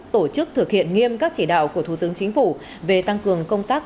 tổ chức thực hiện nghiêm các chỉ đạo của thủ tướng chính phủ về tăng cường công tác